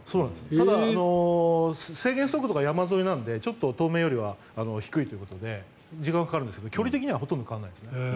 ただ制限速度が山沿いなのでちょっと東名よりは低いということで時間がかかるんですが距離的にはほとんど変わらないです。